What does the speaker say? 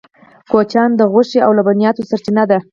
کوچیان د غوښې او لبنیاتو سرچینه ده